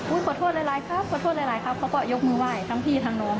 ขอโทษหลายครับขอโทษหลายครับเขาก็ยกมือไหว้ทั้งพี่ทั้งน้อง